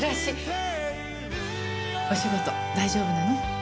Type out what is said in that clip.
お仕事大丈夫なの？